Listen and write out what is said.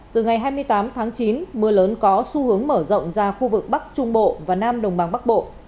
từ ngày hai mươi tám tháng chín mưa lớn có xu hướng mở rộng ra khu vực bắc trung bộ và nam đồng bằng bắc bộ